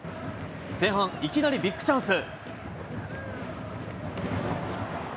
前半、いきなりビッグチャンス。